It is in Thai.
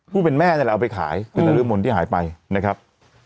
ผู้เป็นแม่นั่นแหละเอาไปขายคือนรมนธ์ที่หายไปนะครับ